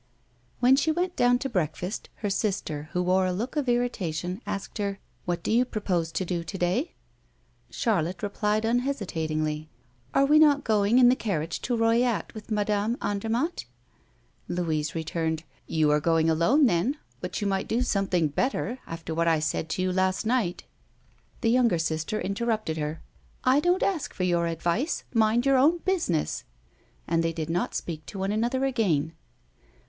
When she went down to breakfast, her sister, who wore a look of irritation, asked her: "What do you propose to do to day?" Charlotte replied unhesitatingly: "Are we not going in the carriage to Royat with Madame Andermatt?" Louise returned: "You are going alone, then; but you might do something better, after what I said to you last night." The younger sister interrupted her: "I don't ask for your advice mind your own business!" And they did not speak to one another again.